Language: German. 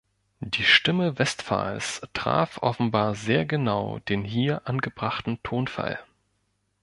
Die Stimme Westphals traf offenbar sehr genau den hier angebrachten Tonfall.